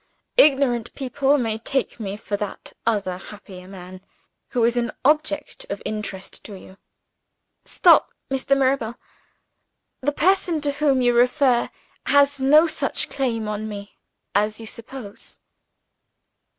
Ignorant people may take me for that other happier man, who is an object of interest to you " "Stop, Mr. Mirabel! The person to whom you refer has no such claim on me as you suppose."